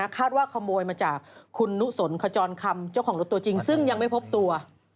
คาดว่าขโมยมาจากคุณนุสนขจรคำเจ้าของรถตัวจริงซึ่งยังไม่พบตัว